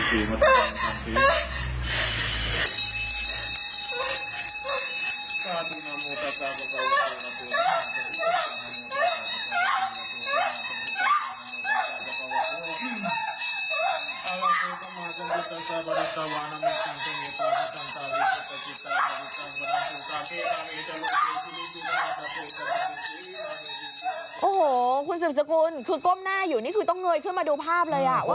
อ๋อห่อคุณสูตรสกุลคือก้มหน้าอยู่นี่คืกต้องเงยขึ้นมาดูภาพเลยว่ามันจดอะไรขึ้น